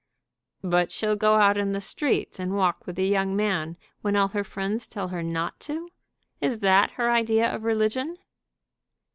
"But she'll go out in the streets and walk with a young man when all her friends tell her not. Is that her idea of religion?"